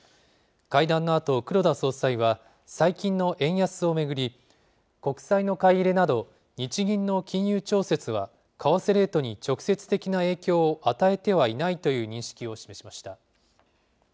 会談のあと、黒田総裁は最近の円安を巡り、国債の買い入れなど、日銀の金融調節は為替レートに直接的な影響を与えてはいないという認識を示しました。